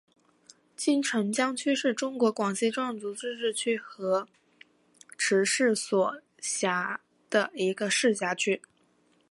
金城江区是中国广西壮族自治区河池市所辖的一个市辖区。